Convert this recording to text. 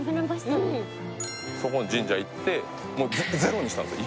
そこの神社行ってゼロにしたんですよ